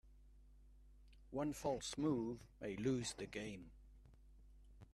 One false move may lose the game.